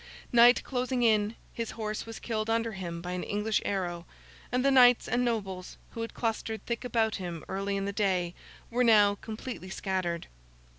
Night closing in, his horse was killed under him by an English arrow, and the knights and nobles who had clustered thick about him early in the day, were now completely scattered.